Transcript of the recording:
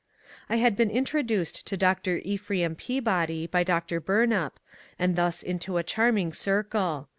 I had been introduced to Dr. Ephraim Peabody by Dr. Bumap, and thus into a charming circle.